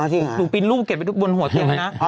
หนูปินรูปเก็บบนหัวเดียแล้วนะ